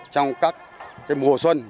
trong các mùa xuân